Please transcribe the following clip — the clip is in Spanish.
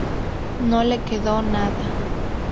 No le quedó nada.